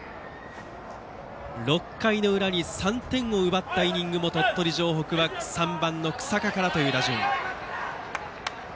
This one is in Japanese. ６回の裏に３点を奪ったイニングも鳥取城北は３番、日下からという打順。